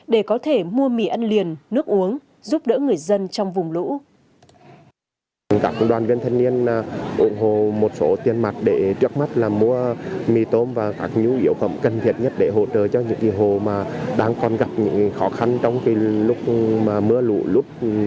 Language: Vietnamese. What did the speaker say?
để có thể mua mì ăn liền nước uống giúp đỡ người dân trong vùng lũ